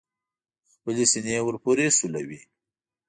خپلې سینې ور پورې سولوي.